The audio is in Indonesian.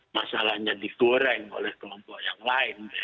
masalahnya digoreng oleh kelompok yang lain